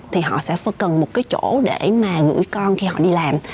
thì họ sẽ cần một cái chỗ để mà gửi con khi họ đi làm